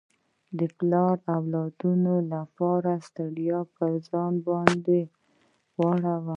پلار د اولاد لپاره ستړياوي پر ځان باندي وړي.